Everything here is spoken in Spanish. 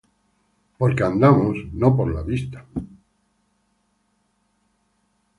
Porque por fe andamos, no por vista